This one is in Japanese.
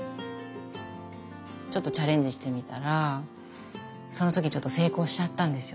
ちょっとチャレンジしてみたらその時成功しちゃったんですよ